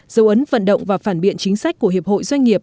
dấu ấn vận động và phản biện chính sách của hiệp hội doanh nghiệp